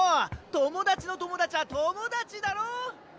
友達の友達は友達だろ？